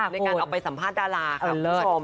ในการออกไปสัมภาษณ์ดาราค่ะคุณผู้ชม